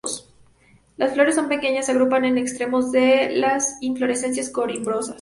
Las flores son pequeñas, se agrupan en los extremos de los inflorescencias corimbosas.